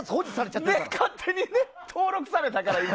勝手に登録されたから。